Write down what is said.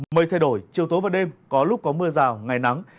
mây thay đổi chiều tối và đêm có lúc có mưa rào ngày nắng